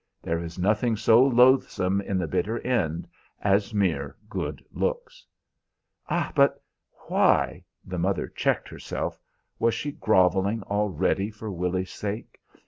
There is nothing so loathsome in the bitter end as mere good looks." "Ah, but why" the mother checked herself. Was she groveling already for Willy's sake?